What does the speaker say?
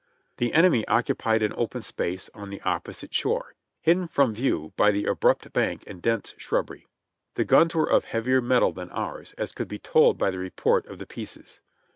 The enemy occupied an open space on the opposite shore, hidden from view by the abrupt bank and dense shrubbery. The guns were of heavier metal than ours, as could be told by the report of the pieces.